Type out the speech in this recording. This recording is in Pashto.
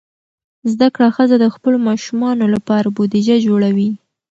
زده کړه ښځه د خپلو ماشومانو لپاره بودیجه جوړوي.